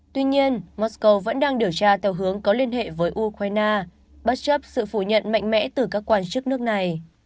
tuy nhiên moscow vẫn đang điều tra theo hướng có liên hệ với ukraine bất chấp sự phủ nhận mạnh mẽ từ các quan chức nước này